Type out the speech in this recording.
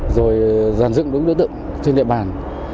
rồi dàn dựng đối tượng trên địa bàn